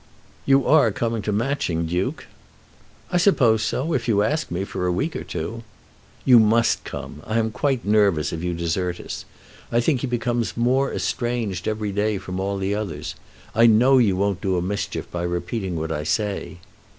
"You are coming to Matching, Duke?" "I suppose so, if you ask me, for a week or two." "You must come. I am quite nervous if you desert us. I think he becomes more estranged every day from all the others. I know you won't do a mischief by repeating what I say."